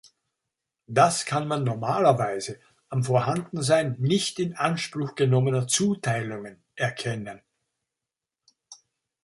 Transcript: Das kann man normalerweise am Vorhandensein nicht in Anspruch genommener Zuteilungen erkennen.